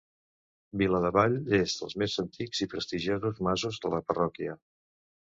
Viladevall és dels més antics i prestigiosos masos de la parròquia.